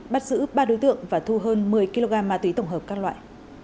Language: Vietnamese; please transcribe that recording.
bắt giữ ba đối tượng và thu hơn một mươi kg ma túy tổng hợp các loại